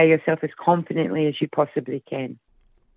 dengan seberat kepercayaan yang mungkin